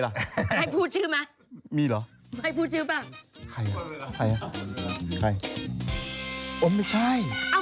อะหมดเวลา